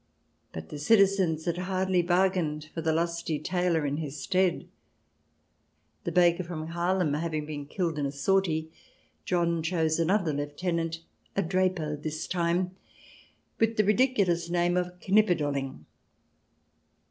But the citizens had hardly bargained for the lusty tailor in his stead. The baker from Haarlem having been killed in a sortie, John chose another lieutenant, a draper this time, with the ridiculous name of KnipperdoUing.